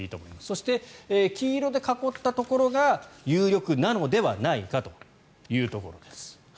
そして、黄色で囲ったところが有力なのではないかというところです。